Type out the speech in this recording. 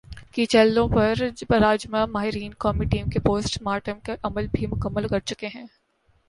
کی چینلوں پر براجمان "ماہرین" قومی ٹیم کے پوسٹ مارٹم کا عمل بھی مکمل کر چکے ہیں ۔